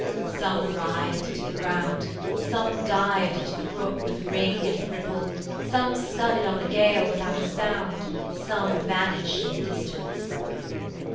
Some writhed into the ground, Some dived into the brook With ring and ripple, Some scudded on the gale without a sound, Some vanished in the distance.